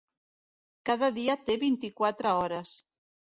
Cada dia té vint-i-quatre hores.